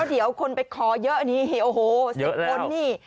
ถ้าเดี๋ยวคนไปคอเยอะนี่โอ้โฮ๑๐คนนี่